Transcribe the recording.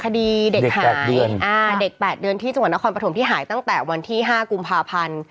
เด็ก๘เดือนที่จังหวันเรนภัทรพุธโมคนที่หายตั้งแต่วันที่๕กุมภาพันธ์